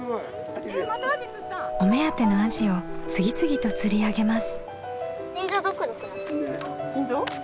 お目当てのアジを次々と釣り上げます。